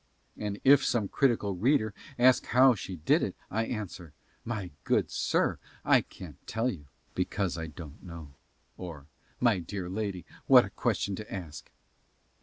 And if some critical reader ask how she did it I answer, "My good sir, I can't tell you, because I don't know," or "My dear lady, what a question to ask!"